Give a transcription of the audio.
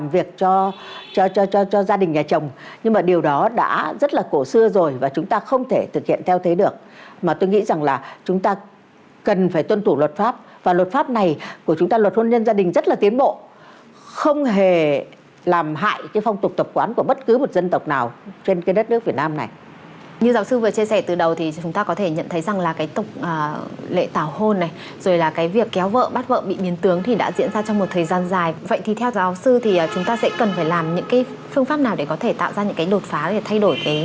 vậy thì theo giáo sư thì chúng ta sẽ cần phải làm những cái phương pháp nào để có thể tạo ra những cái đột phá để thay đổi cái vấn đề này